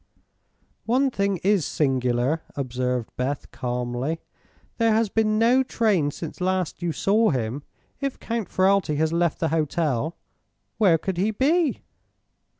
"One thing is singular," observed Beth, calmly. "There has been no train since last you saw him. If Count Ferralti has left the hotel, where could he be?"